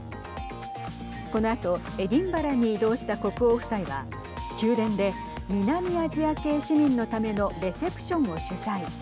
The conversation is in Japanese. このあとエディンバラに移動した国王夫妻は宮殿で南アジア系市民のためのレセプションを主催。